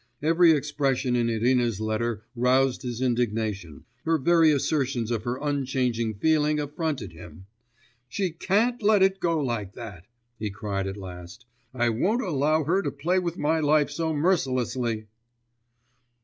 Every expression in Irina's letter roused his indignation, her very assertions of her unchanging feelings affronted him. 'She can't let it go like that,' he cried at last, 'I won't allow her to play with my life so mercilessly.